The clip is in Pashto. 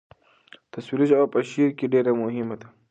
تصویري ژبه په شعر کې ډېره مهمه ده.